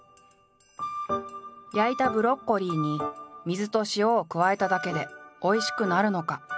焼いたブロッコリーに水と塩を加えただけでおいしくなるのか？